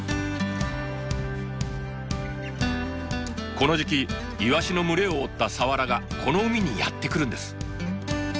この時期イワシの群れを追ったサワラがこの海にやって来るんです。